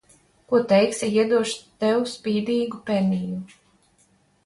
Ko teiksi, ja iedošu tev spīdīgu peniju?